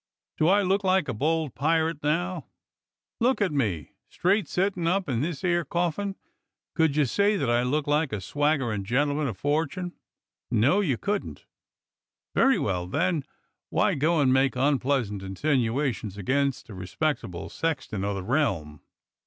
Do I look like a bold pirate now\'^ Lookin' at me straight sittin' up in this 'ere coffin, could you say that I looked like a swaggerin' gentleman o' fortune. No, you couldn't. Very well, then, why go and make unpleasant insinuations against a respectable sexton o' the realm?